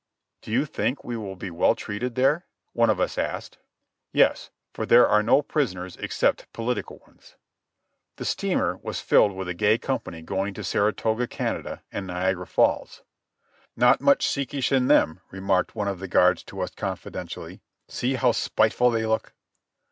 "Do you think we will be well treated there?" one of us asked. "Yes, for there are no prisoners except political ones." The steamer was filled with a gay company going to Saratoga, Canada and Niagara Falls. "Not much secesh in them," remarked one of the guards to us confidentially ; "see how spiteful they look."